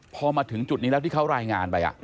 พอมาถึงจุดนี้แล้วที่เขารายงานไป